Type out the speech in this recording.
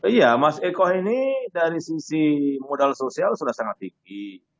iya mas eko ini dari sisi modal sosial sudah sangat tinggi